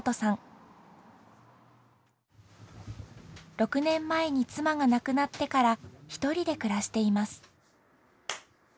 ６年前に妻が亡くなってからひとりで暮らしています。